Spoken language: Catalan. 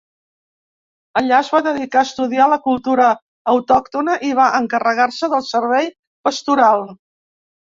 Allà es va dedicar a estudiar la cultura autòctona i va encarregar-se del servei pastoral.